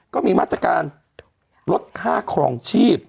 ก็มีมาตรการลดค่าครองชีพ